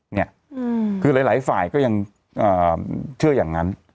เนี่ยคือหลายฝ่ายก็ยังเชื่ออย่างนั้น